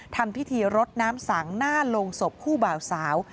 ทำพิธีรดน้ำสังหน้าโรงศพคู่บ่าวสาว